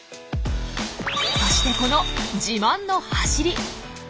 そしてこの自慢の走り！